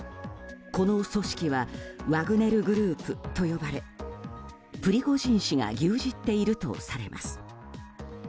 この組織はワグネルグループと呼ばれプリゴジン氏が牛耳っているとされています。